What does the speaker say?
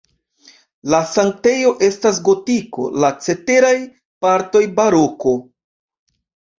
La sanktejo estas gotiko, la ceteraj partoj baroko.